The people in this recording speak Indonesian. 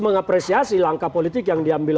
mengapresiasi langkah politik yang diambil